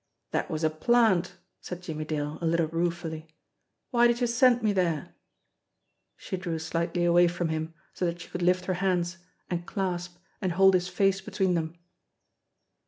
"That was a plant!" said Jimmie Dale a little ruefully. "Why did you send me there?" She drew slightly away from him so that she could lift her hands and clasp and hold his face between them.